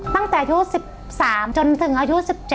ตั้งแต่อายุ๑๓จนถึงอายุ๑๗